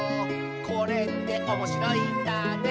「これっておもしろいんだね」